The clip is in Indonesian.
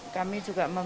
kami juga membahas